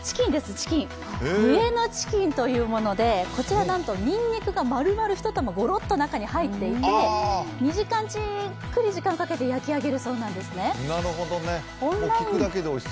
ブエノチキンというもので、こちらはなんと、ニンニクが丸々１玉、ごろっと中に入っていて２時間じっくり時間をかけて焼き上げるそうなんですね。